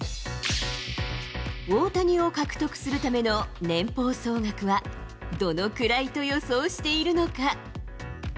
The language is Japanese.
大谷を獲得するための年俸総額はどのくらいと予想しているのか。